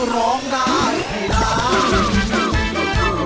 ร้องได้ให้ร้าน